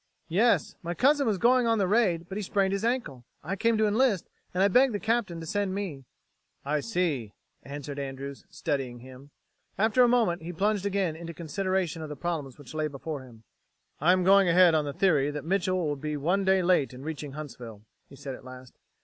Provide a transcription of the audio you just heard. "Yes. My cousin was going on the raid, but he sprained his ankle. I came to enlist, and I begged the Captain to send me." "I see," answered Andrews, studying him. After a moment he plunged again into consideration of the problems which lay before him. "I am going ahead on the theory that Mitchel will be one day late in reaching Huntsville," he said at last.